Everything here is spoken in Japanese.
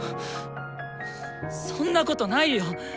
そんなことないよ！